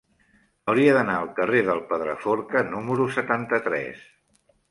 Hauria d'anar al carrer del Pedraforca número setanta-tres.